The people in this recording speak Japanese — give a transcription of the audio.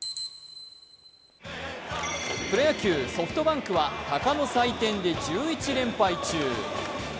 プロ野球ソフトバンクは鷹の祭典で１１連敗中。